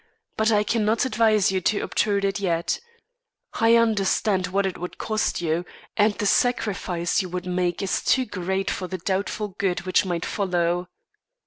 But I cannot advise you to obtrude it yet. I understand what it would cost you, and the sacrifice you would make is too great for the doubtful good which might follow.